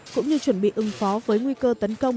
cũng như chuẩn bị ứng phó với nguy cơ tấn công